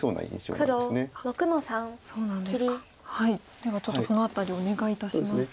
ではちょっとその辺りをお願いいたします。